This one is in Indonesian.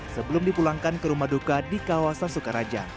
sebelum dipulangkan ke rumah duka di kawasan sukaraja